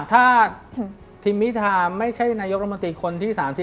ถ้าทิมพิธาไม่ใช่นายกรมนตรีคนที่๓๐